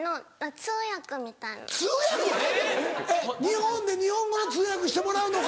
通訳⁉えっ日本で日本語の通訳してもらうのか？